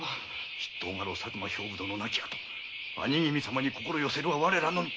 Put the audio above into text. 筆頭家老・佐久間兵部殿亡き後兄君様に心寄せるは我らのみ。